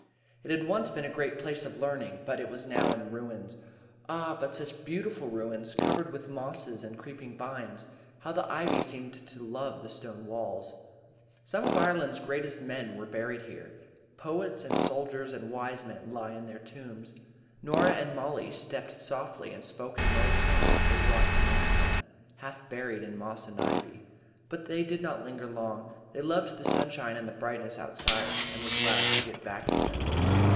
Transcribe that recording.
It had once been a great place of learning, but it was now in ruins. Ah! but such beautiful ruins, covered with mosses and creeping vines. How the ivy seemed to love the old stone walls! Some of Ireland's greatest men were buried here. Poets and soldiers and wise men lie in their tombs. Norah and Mollie stepped softly and spoke in low tones as they walked among them, half buried in moss and ivy. But they did not linger long. They loved the sunshine and the brightness outside, and were glad to get back to them.